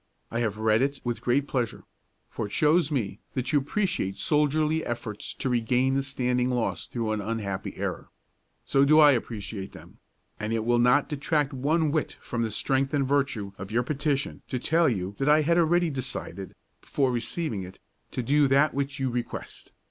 I have read it with great pleasure; for it shows me that you appreciate soldierly efforts to regain the standing lost through an unhappy error. So do I appreciate them; and it will not detract one whit from the strength and virtue of your petition to tell you that I had already decided, before receiving it, to do that which you request.